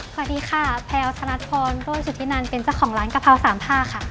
สวัสดีค่ะแพลวธนัดพรโทษสุธินันเป็นเจ้าของร้านกะเพราสามผ้าค่ะ